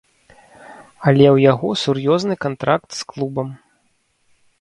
Але ў яго сур'ёзны кантракт з клубам.